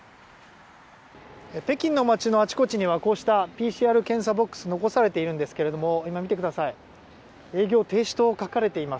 北京の街のあちこちにはこうしたＰＣＲ検査ボックスが残されているんですが見てください営業停止と書かれています。